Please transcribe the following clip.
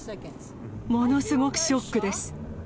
ものすごくショックです。